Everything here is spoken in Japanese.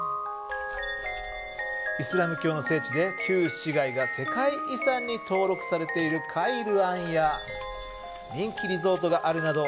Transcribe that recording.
イスラム教の聖地で旧市街が世界遺産に登録されているカイルアンや人気リゾートがあるなど